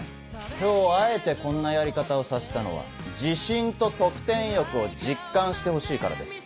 今日あえてこんなやり方をさせたのは自信と得点欲を実感してほしいからです